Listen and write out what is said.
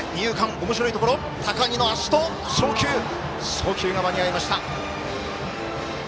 送球が間に合いました。